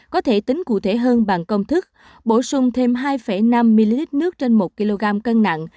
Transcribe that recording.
có thể tính cụ thể hơn bằng công thức bổ sung thêm hai năm ml nước trên một kg cân nặng